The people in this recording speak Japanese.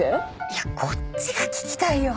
いやこっちが聞きたいよ。